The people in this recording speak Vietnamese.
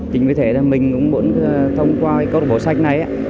chính vì thế mình cũng muốn thông qua câu lập bộ sách này